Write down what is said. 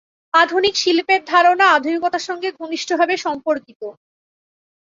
আধুনিক শিল্পের ধারণা আধুনিকতার সঙ্গে ঘনিষ্ঠভাবে সম্পর্কিত।